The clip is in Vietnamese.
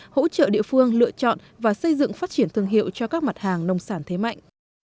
hỗ trợ địa phương lựa chọn và xây dựng phát triển thương hiệu cho các mặt hàng nông sản thế mạnh